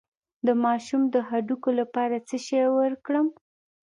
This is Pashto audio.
د ماشوم د هډوکو لپاره څه شی ورکړم؟